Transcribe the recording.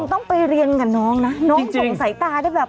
ต้องไปเรียนกับน้องนะน้องส่งสายตาได้แบบ